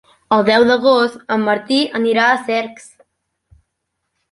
El deu d'agost en Martí anirà a Cercs.